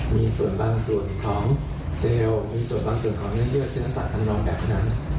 มีส่วนบางส่วนของเซลมีส่วนบางส่วนของเงี่ยทศนสรรค์ทำลองแบบนั้น